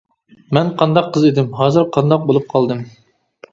مەن قانداق قىز ئىدىم؟ ھازىر قانداق بولۇپ قالدىم؟ .